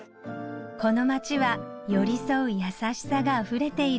この街は寄り添う優しさがあふれている